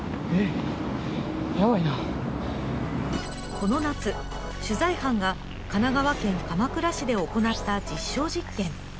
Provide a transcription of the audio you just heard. この夏、取材班が神奈川県鎌倉市で行った実証実験。